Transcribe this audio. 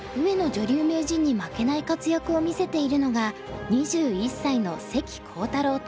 女流名人に負けない活躍を見せているのが２１歳の関航太郎天元。